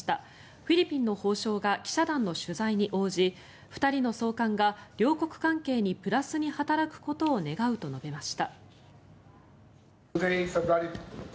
フィリピンの法相が記者団の取材に応じ２人の送還が両国関係にプラスに働くことを願うと述べました。